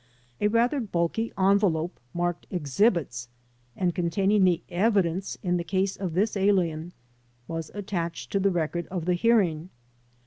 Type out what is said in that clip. A rather bulky envelop marked "Exhibits" and containing the evidence in the case of this alien was attached to the record of the hear ing.